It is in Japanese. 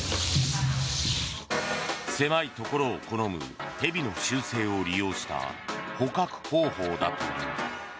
狭いところを好む蛇の習性を利用した捕獲方法だという。